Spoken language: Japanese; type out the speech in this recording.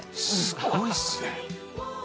すごいですね。